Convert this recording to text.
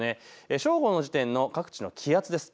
正午の時点の各地の気圧です。